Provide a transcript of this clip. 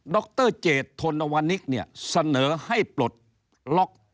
ดรเจดโทนวนิกเสนอให้ปลดล็อก